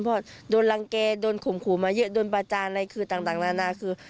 เพราะโดนรังแก่โดนข่มขู่มาเยอะโดนประจานอะไรคือต่างนานาคือ